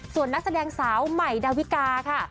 ส่วนนักแสดงสาวใหม่ดาวิกาค่ะ